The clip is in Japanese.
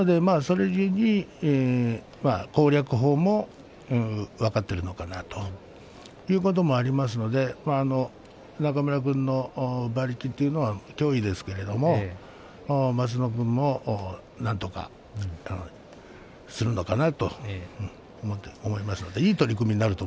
ですのでいい攻略法も分かっているのかなとそういうこともありますので中村君の突っ張りというのは脅威ですけれど松園君もなんとかするのかなと思いますね